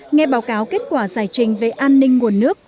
nghe báo cáo kết quả giải trình về an ninh nguồn nước